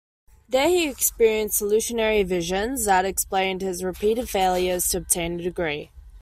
There he experienced hallucinatory visions that explained his repeated failures to obtain a degree.